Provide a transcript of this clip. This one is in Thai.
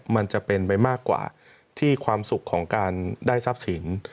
มันจะเป็นไปมากกว่าที่ความสุขของการได้ทรัพย์สิน